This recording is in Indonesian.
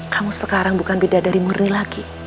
kamu sekarang bukan bidadari murni lagi